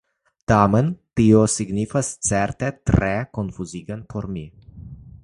Tamen tio estus certe tre konfuziga por mi!